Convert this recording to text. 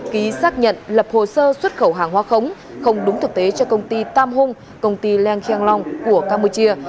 ký xác nhận lập hồ sơ xuất khẩu hàng hóa khống không đúng thực tế cho công ty tam hung công ty leng keng long của campuchia